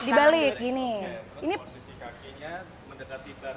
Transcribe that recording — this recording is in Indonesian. posisi kakinya mendekati bar dulu